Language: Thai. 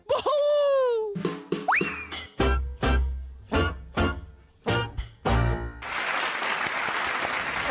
โอ้โห